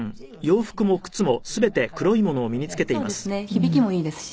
響きもいいですし。